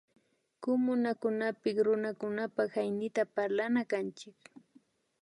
Kumunakunapik Runakunapak Hañiyta parlana kanchik